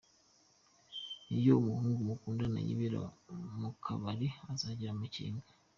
Iyo umuhungu mukundana yibera mu kabari uzagire amakenga.